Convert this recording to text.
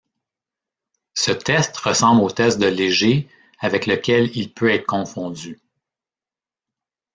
Ce test ressemble au test de Léger avec lequel il peut être confondu.